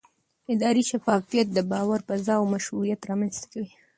اداري شفافیت د باور فضا او مشروعیت رامنځته کوي